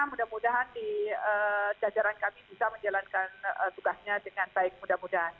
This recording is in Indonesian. mudah mudahan di jajaran kami bisa menjalankan tugasnya dengan baik mudah mudahan